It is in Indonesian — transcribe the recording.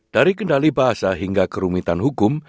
dari kendali bahasa hingga kerumitan hukum